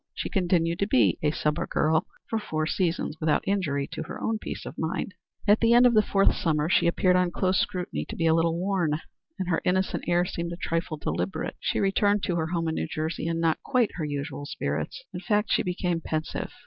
She continued to be a summer girl for four seasons without injury to her own peace of mind. At the end of the fourth summer she appeared on close scrutiny to be a little worn, and her innocent air seemed a trifle deliberate. She returned to her home in New Jersey in not quite her usual spirits. In fact she became pensive.